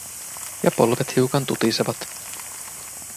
Ja polvet hiukan tutisevat.